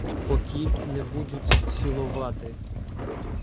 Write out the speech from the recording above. Покіль не будуть ціловати